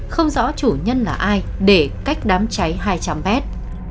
không rõ chủ nhân là ai để cách đám cháy hai trăm linh mét